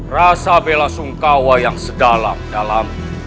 rasa bela sungkawa yang sedalam dalam